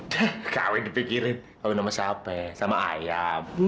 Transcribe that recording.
dah kawin dipikirin kawin sama siapa sama ayam